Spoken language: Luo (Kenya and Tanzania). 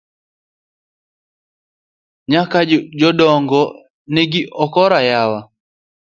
Nyaka jodogo nigi okora yawa.